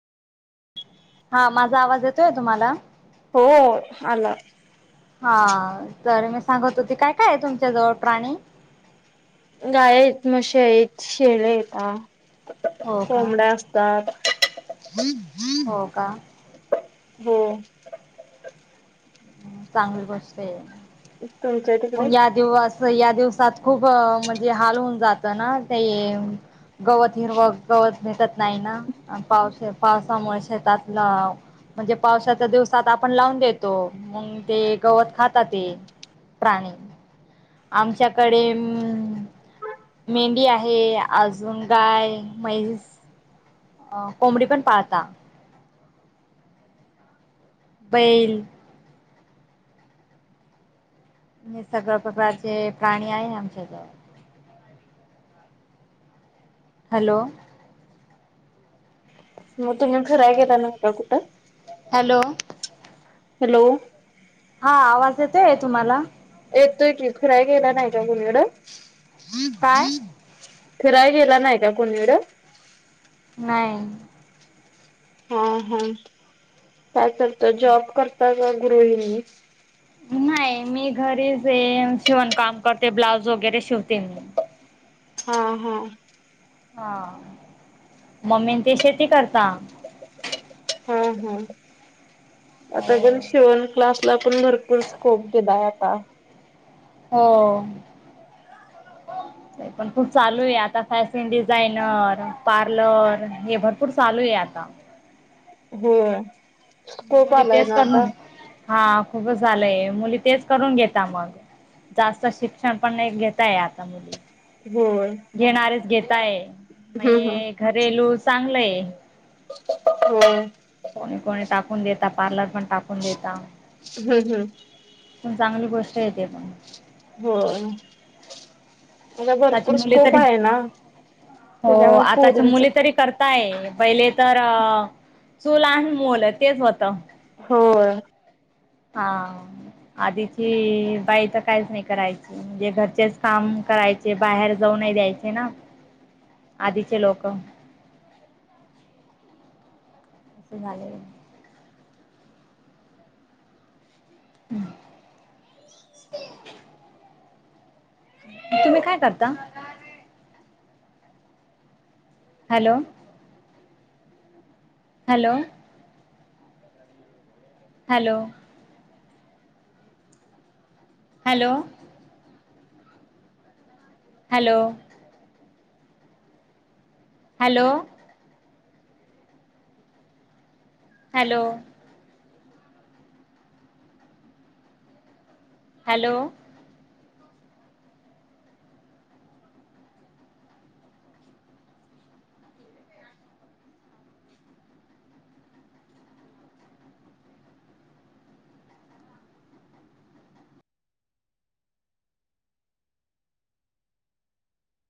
हा माझा आवाज येतोय तुम्हाला हो आला हा तर मी सांगत होते काय काय तुमच्या जवळ प्राणी गाय य मश्या य शेळे येतात हो का कोंबड्या असत त्या ह ह हो का हो चांगली गोष्ट आहे तुमच्या तिकडे पण या दिवस या दिवसात खूप म्हणजे हालवून जात ना ते गवत हिरव गवत भकत नाही ना पावस पावसामुळे शेतातलं म्हणजे पावसाच्या दिवसात आपण लावून देतो मग ते गवत खात ते प्राणी आमच्याकडे अ मेंढी आहे अजून गाय मै अ कोमडी पण पाहता बैल हे सगळ प्रकारचे प्राणी आहे आमच्या जवळ हॅलो मग तुम्ही फिराय केेला न का कुठं हॅलो हॅलो हा आवाज येतो आहे तुम्हाला येतोय की खुराय गेला नाही का कोणीकड काय? फिरायला गेला नाही का कोणीकड नाही हा हा काय करत जॉब करता का गृहिणी? नाही मी घरीच शिवण काम करते ब्लाऊज वगैरे शिवते म हा हा हा मम्मी ते शेती करता हा हा आता पण शिवून क्लासला पण भरपूर स्कोप दिलाय आता हो पण खूप चालू आहे आता फॅशन डिझायनर पार्लर हे भरपूर चालू आहे आता हो स्कोप मुली आलाय तेच ना आता करून हा खूपच झालंय मुली तेच करून घेता मग जास्त शिक्षण पण नाही घेताय आता मुली होय घेणारेच घेताय हम्म हम्म मणे घरेलू चांगलंय हो कोणी कोणी टाकून देता पार्लर पण टाकून देता हम्म हम्म पण चांगली गोष्ट येते पण हो मला आताची भरपूर मुले स्कोप तरी आहे ना त्याच्या म पोरींच नाय पहिले तर चूल आणि मूल तेच होत होय हा आधीची बाई तर काहीच नाही करायची म्हणजे घरचेच काम करायचे जे बाहेर जाऊनही द्यायचे ना आधीचे लोक असं झाले हम् तुम्ही काय करता? Hello hello hello hello hello hello hello. Hello